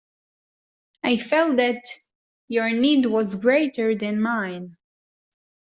I felt that your need was greater than mine.